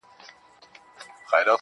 داده چا ښكلي ږغ كي ښكلي غوندي شعر اورمه.